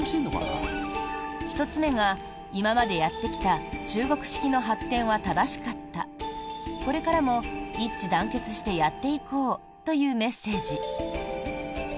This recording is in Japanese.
１つ目が、今までやってきた中国式の発展は正しかったこれからも一致団結してやっていこうというメッセージ。